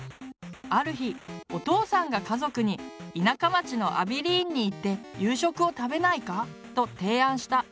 ある日お父さんが家族に「田舎町のアビリーンに行って夕食を食べないか？」と提案した。